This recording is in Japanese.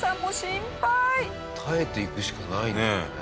耐えていくしかないんだよね。